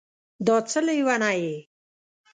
دا څه لېونی یې